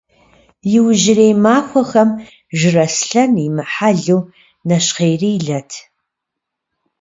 Иужьрей махуэхэм Жыраслъэн имыхьэлу нэщхъейрилэт.